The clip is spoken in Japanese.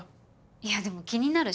いやでも気になるし。